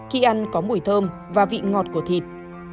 khi ăn có mùi thơm và vị ngọt của thịt